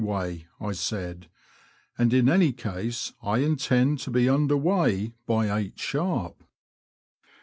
U way," I said, and in any case I intend to be under weigh by eight sharp."